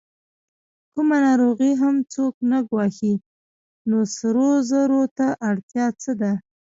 کومه ناروغي هم څوک نه ګواښي، نو سرو زرو ته اړتیا څه ده؟